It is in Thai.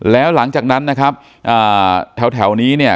แล้วหลังจากนั้นนะครับแถวนี้เนี่ย